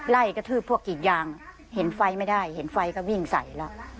ไล่กระทืบพวกอีกอย่างเห็นไฟไม่ได้เห็นไฟก็วิ่งใส่แล้ว